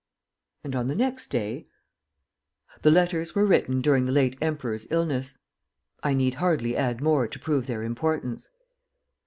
And, on the next day: "The letters were written during the late Emperor's illness. I need hardly add more to prove their importance."